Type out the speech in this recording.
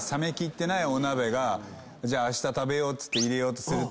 じゃああした食べようっつって入れようとすると。